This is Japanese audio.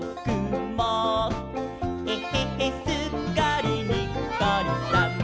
「えへへすっかりにっこりさん！」